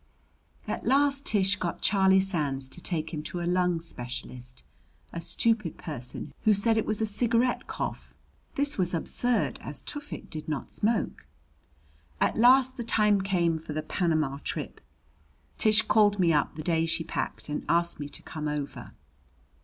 At last Tish got Charlie Sands to take him to a lung specialist, a stupid person, who said it was a cigarette cough. This was absurd, as Tufik did not smoke. At last the time came for the Panama trip. Tish called me up the day she packed and asked me to come over.